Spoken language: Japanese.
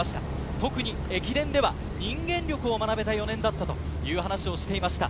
特に駅伝では人間力を学べた４年だったと話していました。